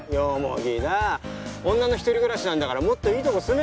田女の１人暮らしなんだからもっといいとこ住めよ。